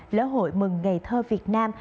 lễ hội mừng ngày thơ việt nam